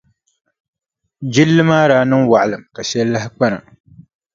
Jilli maa daa niŋla waɣilim ka shɛli lahi kpa na.